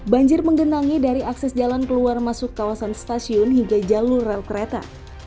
banjir menggenangi dari akses jalan keluar masuk kawasan stasiun hingga jalur rel kereta